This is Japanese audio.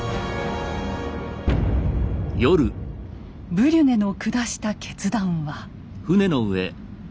ブリュネの下した決断は。